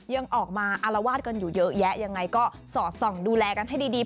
ยังออกมาอารวาสกันอยู่เยอะแยะยังไงก็สอดส่องดูแลกันให้ดี